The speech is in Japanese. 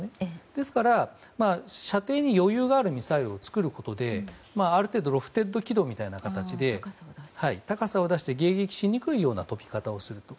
ですから、射程に余裕があるミサイルを作ることである程度ロフテッド軌道みたいな形で高さを出して迎撃しにくい飛び方をすると。